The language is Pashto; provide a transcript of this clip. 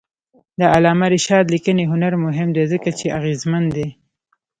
د علامه رشاد لیکنی هنر مهم دی ځکه چې اغېزمن دی.